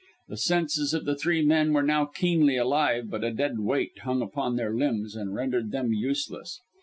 The senses of the three men were now keenly alive, but a dead weight hung upon their limbs and rendered them useless.